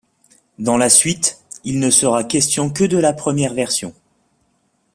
Dans la suite, il ne sera question que de la première version.